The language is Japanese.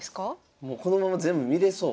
もうこのまま全部見れそう。